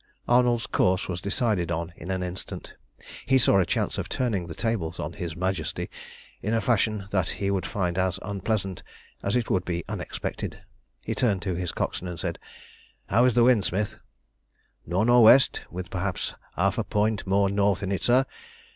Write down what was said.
Arnold's course was decided on in an instant. He saw a chance of turning the tables on his Majesty in a fashion that he would find as unpleasant as it would be unexpected. He turned to his coxswain and said "How is the wind, Smith?" "Nor' nor' west, with perhaps half a point more north in it, sir.